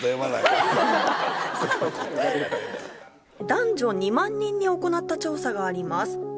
男女２万人に行った調査があります。